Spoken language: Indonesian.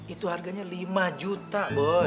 itu harganya lima juta